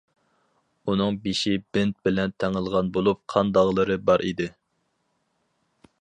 ئۇنىڭ بېشى بىنت بىلەن تېڭىلغان بولۇپ قان داغلىرى بار ئىدى.